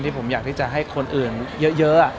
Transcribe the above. ผมอยากที่จะให้คนอื่นเยอะ